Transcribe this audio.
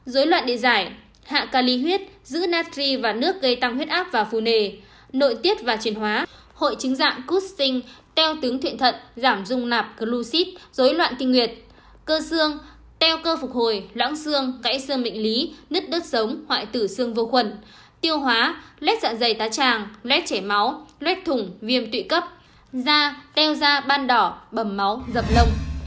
dối loạn địa giải hạ ca ly huyết giữ natri và nước gây tăng huyết ác và phù nề nội tiết và truyền hóa hội chứng dạng cút sinh teo tướng thuyện thận giảm dung nạp glucid dối loạn tinh nguyệt cơ xương teo cơ phục hồi lãng xương cãi xương mệnh lý nứt đất sống hoại tử xương vô khuẩn tiêu hóa lét dạng dày tá tràng lét chảy máu lét thủng viêm tụy cấp da teo da ban đỏ bầm máu dập lông